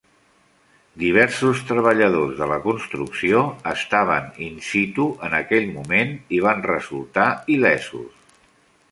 Diversos treballadors de la construcció estaven in situ en aquell moment i van resultar il·lesos.